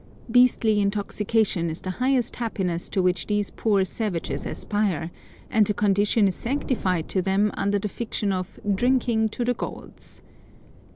Beastly intoxication is the highest happiness to which these poor savages aspire, and the condition is sanctified to them under the fiction of "drinking to the gods."